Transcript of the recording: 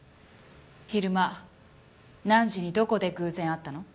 昼間何時にどこで偶然会ったの？